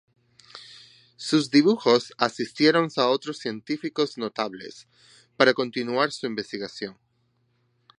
Sus dibujos asistieron a otros científicos notables, para continuar su investigación.